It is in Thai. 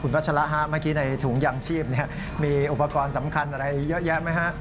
พัชละฮะเมื่อกี้ในถุงยางชีพมีอุปกรณ์สำคัญอะไรเยอะแยะไหมฮะ